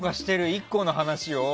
１個の話を。